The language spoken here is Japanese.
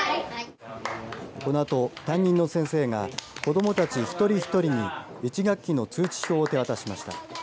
このあと担任の先生が子どもたち一人一人に１学期の通知表を手渡しました。